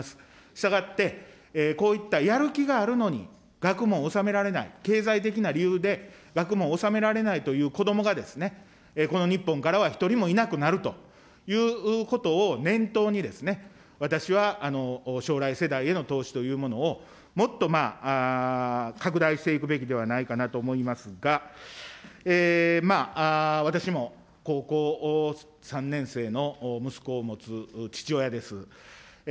したがって、こういったやる気があるのに、学問を修められない、経済的な理由で学問を修められないという子どもがですね、この日本からは１人もいなくなるということを念頭に私は将来世代への投資というものを、もっと拡大していくべきではないかなと思いますが、私も高校３年生の息子を持つ父親です。